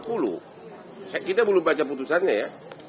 kita belum baca putusannya ya